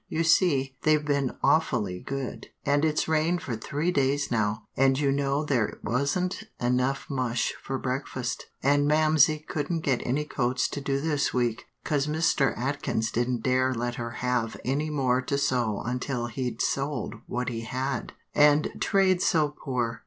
"You see, they've been awfully good, and it's rained for three days now, and you know there wasn't enough mush for breakfast, and Mamsie couldn't get any coats to do this week, 'cause Mr. Atkins didn't dare let her have any more to sew until he'd sold what he had, and trade's so poor."